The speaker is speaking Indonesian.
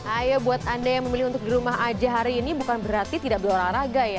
ayo buat anda yang memilih untuk di rumah aja hari ini bukan berarti tidak berolahraga ya